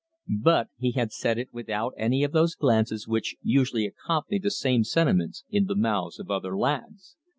But he had said it without any of those glances which usually accompanied the same sentiments in the mouths of other lads.